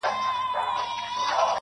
راډيو.